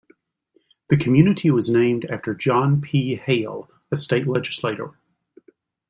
The community was named after John P. Hale, a state legislator.